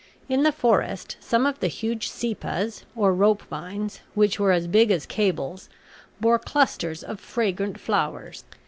In the forest some of the huge sipas, or rope vines, which were as big as cables, bore clusters of fragrant flowers.